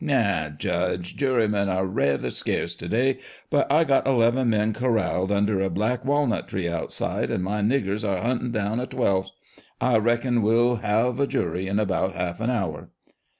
" Neow, judge, jurymen are raither scarce to day ; but I've got eleven men coralled under a black walnut tree outside, and my niggers are hunting deown a twelvth. I reckon we'll have a jury in about half an hour."